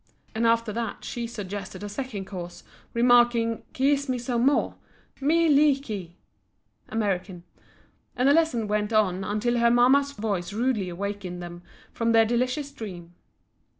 And after that she suggested a second course, remarking "kee es me some more, Mee lee kee!" (American). And the lesson went on until her mamma's voice rudely awakened them from their delicious dream.